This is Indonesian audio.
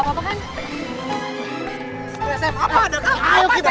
tantangin lu ya